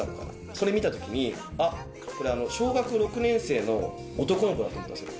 それ見た時にあっこれ小学６年生の男の子だと思ったんですよ